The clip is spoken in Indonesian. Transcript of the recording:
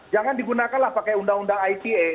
jangan digunakanlah pakai undang undang ite